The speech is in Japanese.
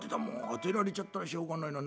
当てられちゃったらしょうがないな。